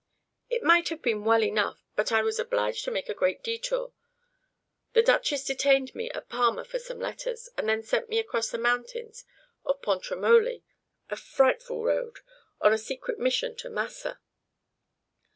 "It might have been well enough, but I was obliged to make a great détour. The Duchess detained me at Parma for some letters, and then sent me across the mountains of Pontremoli a frightful road on a secret mission to Massa."